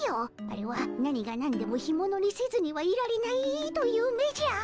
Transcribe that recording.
あれは何が何でもヒモノにせずにはいられないという目じゃ。